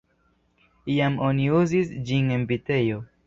Iam oni uzis ĝin en vitejo.